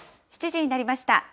７時になりました。